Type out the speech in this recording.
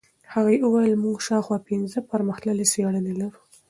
هغې وویل موږ شاوخوا پنځه پرمختللې څېړنې لرو.